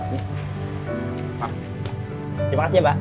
terima kasih ya mbak